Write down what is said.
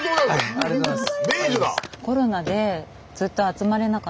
ありがとうございます。